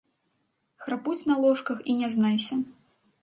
Храпуць на ложках, і не знайся.